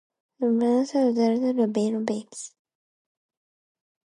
This large size is needed for low divergence beams.